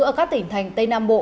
ở các tỉnh thành tây nam bộ